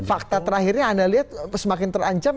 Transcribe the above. fakta terakhirnya anda lihat semakin terancam